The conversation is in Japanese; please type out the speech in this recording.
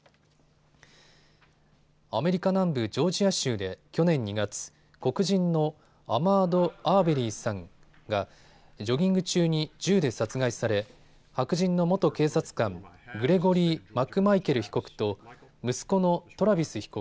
アメリカ南部ジョージア州で去年２月、黒人のアマード・アーベリーさんがジョギング中に銃で殺害され白人の元警察官、グレゴリー・マクマイケル被告と息子のトラビス被告